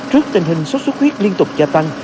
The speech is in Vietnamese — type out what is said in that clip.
trước tình hình sốt xuất huyết liên tục gia tăng